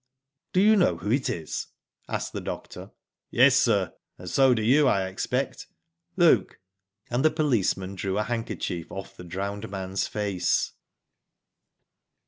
" Do you know who it is ?" asked the doctor. " Yes, sir, and so do you, I expect. Look !" and the policeman drew a handkerchief off the drowned man's face.